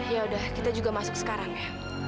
yaudah kita juga masuk sekarang ya